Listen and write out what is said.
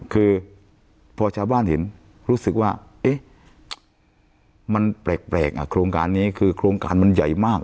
คือพอชาวบ้านเห็นรู้สึกว่ามันแปลกโครงการนี้คือโครงการมันใหญ่มาก